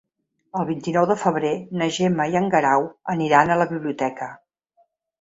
El vint-i-nou de febrer na Gemma i en Guerau aniran a la biblioteca.